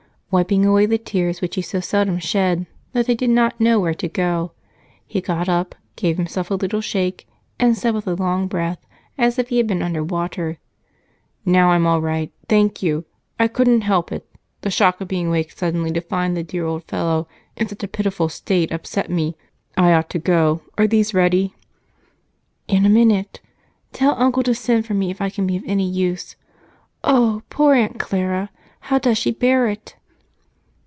Wiping away the tears which he so seldom shed that they did not know where to go, he got up, gave himself a little shake, and said with a long breath, as if he had been underwater: "Now I'm all right, thank you. I couldn't help it the shock of being waked suddenly to find the dear old fellow in such a pitiful state upset me. I ought to go are these ready?" "In a minute. Tell Uncle to send for me if I can be of any use. Oh, poor Aunt Clara! How does she bear it?"